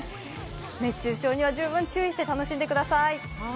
熱中症には十分注意して楽しんでください。